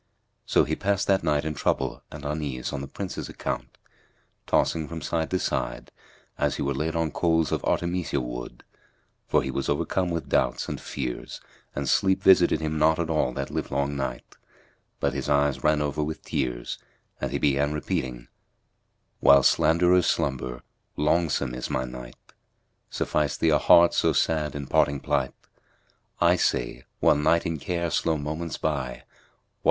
So he passed that night in trouble and unease on the Prince 's account, tossing from side to side, as he were laid on coals of Artemisia wood[FN#235]: for he was overcome with doubts and fears and sleep visited him not all that livelong night; but his eyes ran over with tears and he began repeating, ; "While slanderers slumber, longsome is my night; * Suffice thee a heart so sad in parting plight; I say, while night in care slow moments by, * 'What!